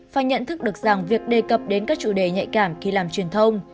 phải nhận thức được rằng việc đề cập đến các chủ đề nhạy cảm khi làm truyền thông